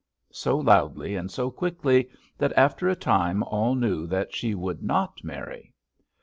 so loudly, and so quickly, that after a time all knew that she would not marry.